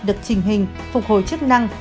được trình hình phục hồi chức năng